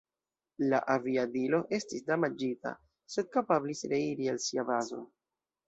La aviadilo estis damaĝita, sed kapablis reiri al sia bazo.